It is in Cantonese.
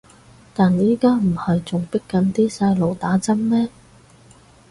但而家唔係仲迫緊啲細路打針咩